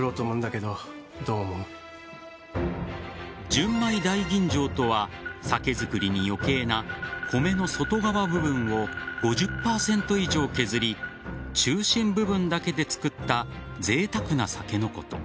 純米大吟醸とは酒造りに余計な米の外側部分を５０％以上削り中心部分だけで造ったぜいたくな酒のこと。